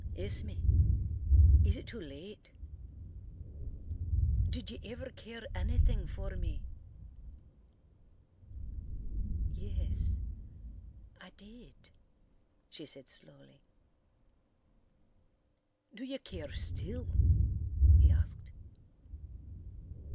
Esme, is it too late? Did you ever care anything for me?" "Yes, I did," she said slowly. "Do you care still?" he asked.